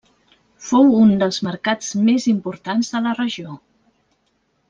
Fou un dels mercats més importants de la regió.